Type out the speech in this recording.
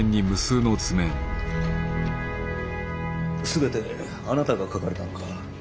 全てあなたが描かれたのか。